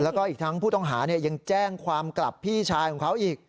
แล้วก็อีกทั้งผู้ต้องหายังแจ้งความกลับพี่ชายของเขาอีก